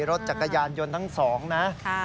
รถจักรยานยนต์ทั้งสองนะ